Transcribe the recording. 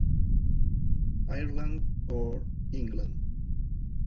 Ireland or England?